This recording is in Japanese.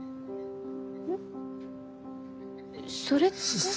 それって。